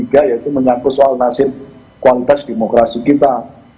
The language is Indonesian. yaitu menyangkut soal nasib kualitas demokrasi kita